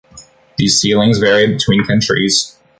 These ceilings vary between countries.